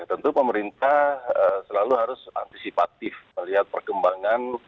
tentu pemerintah selalu harus antisipatif melihat perkembangan